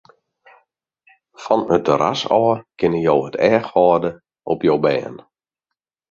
Fan it terras ôf kinne jo it each hâlde op jo bern.